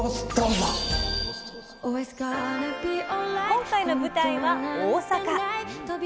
今回の舞台は大阪。